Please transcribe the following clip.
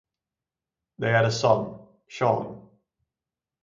They had a son, Shawn.